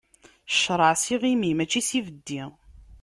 Ccṛeɛ s iɣimi, mačči s ibeddi.